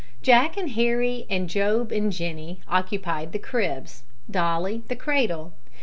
Jack and Harry and Job and Jenny occupied the cribs, Dolly the cradle.